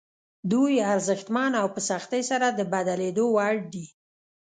دوی ارزښتمن او په سختۍ سره د بدلېدو وړ دي.